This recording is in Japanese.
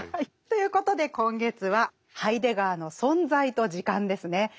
ということで今月はハイデガーの「存在と時間」ですね。